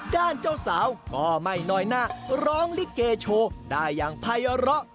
เจ้าสาวก็ไม่น้อยหน้าร้องลิเกโชว์ได้อย่างภัยร้อ